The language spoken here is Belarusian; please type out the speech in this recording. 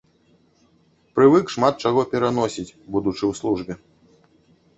Прывык шмат чаго пераносіць, будучы ў службе.